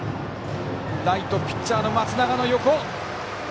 ライト、ピッチャーの松永の横。